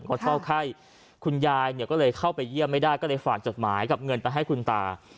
เขาชอบไข้คุณยายเนี่ยก็เลยเข้าไปเยี่ยมไม่ได้ก็เลยฝากจดหมายกับเงินไปให้คุณตา